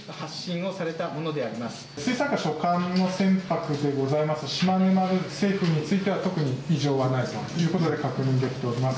水産課所管の船舶でありますしまね丸生徒については今のところ異常はないということで確認できております。